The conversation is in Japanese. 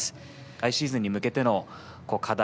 来シーズンに向けての課題